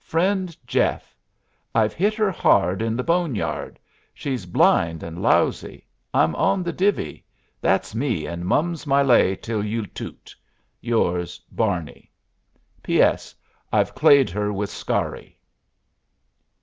FRIEND JEFF: I've hit her hard in the boneyard. She's blind and lousy. I'm on the divvy that's me, and mum's my lay till you toot. Yours, BARNEY. P.S. I've clayed her with Scarry.